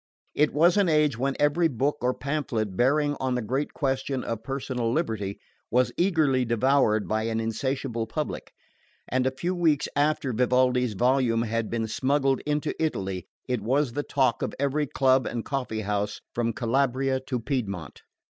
It was an age when every book or pamphlet bearing on the great question of personal liberty was eagerly devoured by an insatiable public; and a few weeks after Vivaldi's volume had been smuggled into Italy it was the talk of every club and coffee house from Calabria to Piedmont.